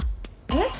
えっ？